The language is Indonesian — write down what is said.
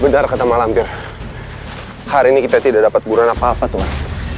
benar kata malampir hari ini kita tidak dapat buruan apa apa tuh mas